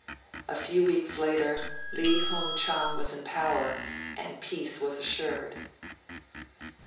A few weeks later, Li Hung Chang was in power, and peace was assured.